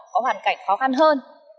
có hoàn cảnh khó khăn hơn